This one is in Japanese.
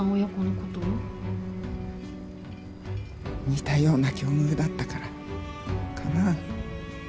似たような境遇だったからかな。